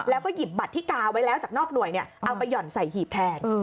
แล้วก็หยิบบัตรที่กาวไว้แล้วจากนอกหน่วยเอาไปห่อนใส่หีบแทน